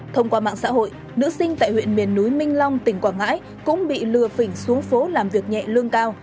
thông qua mạng xã hội nữ sinh tại huyện miền núi minh long tỉnh quảng ngãi cũng bị lừa phỉnh xuống phố làm việc nhẹ lương cao